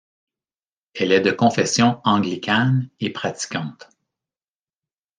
Elle est de confession anglicane et pratiquante.